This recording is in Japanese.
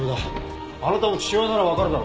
あなたも父親ならわかるだろ？